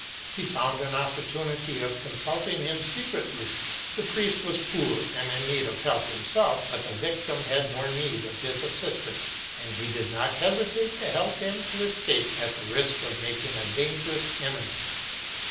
He found an opportunity of consulting him secretly. The priest was poor and in need of help himself, but the victim had more need of his assistance, and he did not hesitate to help him to escape at the risk of making a dangerous enemy.